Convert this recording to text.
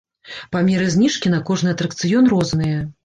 Памеры зніжкі на кожны атракцыён розныя.